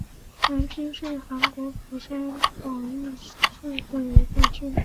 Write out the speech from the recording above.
南区是韩国釜山广域市的一个区。